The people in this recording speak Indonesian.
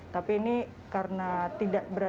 tapi ini karena tidak berada